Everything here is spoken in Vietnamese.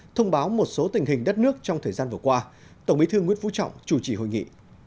thông báo một số tình hình đất nước trong thời gian vừa qua tổng bí thư nguyễn phú trọng chủ trì hội nghị